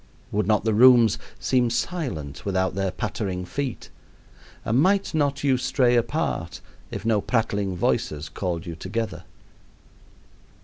Would not the rooms seem silent without their pattering feet, and might not you stray apart if no prattling voices called you together?